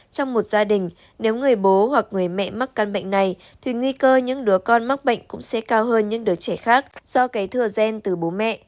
trong một gia đình nếu người bố hoặc người mẹ mắc căn bệnh này thì nguy cơ những đứa con mắc bệnh cũng sẽ cao hơn những đứa trẻ khác do kế thừa gen từ bố mẹ